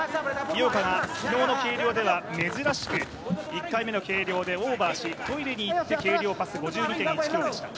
井岡が昨日の軽量では珍しく１回目の計量でオーバーしトイレにいって計量をパス５２．１ｋｇでした。